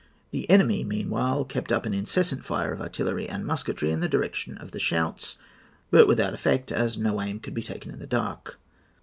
The enemy, meanwhile, kept up an incessant fire of artillery and musketry in the direction of the shouts, but without effect, as no aim could be taken in the dark.